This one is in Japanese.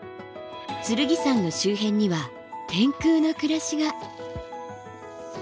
剣山の周辺には天空の暮らしが。